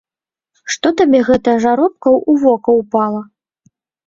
Што табе гэтая жаробка ў вока ўпала!